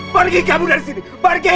pergi kamu dari sini pakai